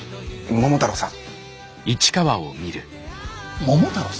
桃太郎さん。